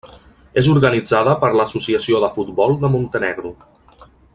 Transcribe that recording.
És organitzada per l'Associació de Futbol de Montenegro.